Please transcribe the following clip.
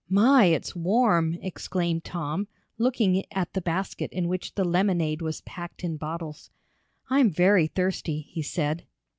"My! It's warm!" exclaimed Tom, looking at the basket in which the lemonade was packed in bottles. "I'm very thirsty," he said.